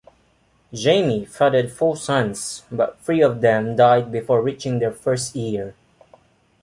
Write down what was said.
Jami fathered four sons, but three of them died before reaching their first year.